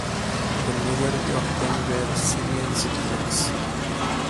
The majority of them were Syrian citizens.